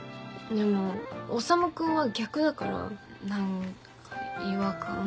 でも修君は逆だから何か違和感。